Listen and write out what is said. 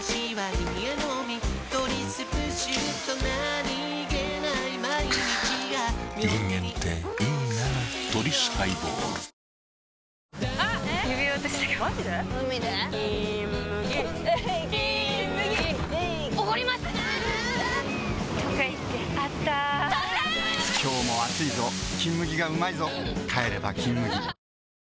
今日も暑いぞ「金麦」がうまいぞ帰れば「金麦」